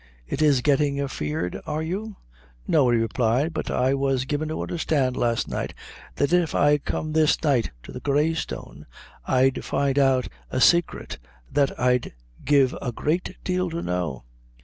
"It is gettin' afeard you are?" "No," he replied; "but I was given to undherstand last night, that if I'd come this night to the Grey Stone, I'd find out a saicret that I'd give a great deal to know."